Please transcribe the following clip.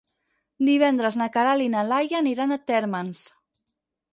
Divendres na Queralt i na Laia aniran a Térmens.